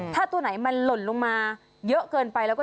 ถ้าตัวไหนมันหล่นลงมาเยอะเกินไปแล้วก็